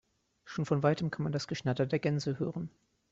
Schon von weitem kann man das Geschnatter der Gänse hören.